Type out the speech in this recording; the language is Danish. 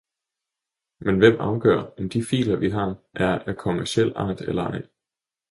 Men hvem afgør, om de filer, vi har, er af kommerciel art eller ej?